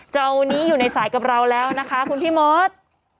เจ้านี้อยู่ในสายกับเราแล้วนะคะคุณพี่มอส